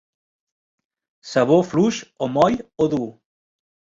Sabó fluix o moll o dur.